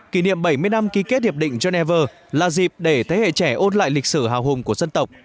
kỷ niệm bảy mươi năm ký kết hiệp định geneva là dịp để thế hệ trẻ ôn lại lịch sử hào hùng của dân tộc